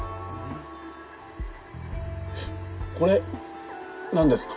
「これ何ですか？」。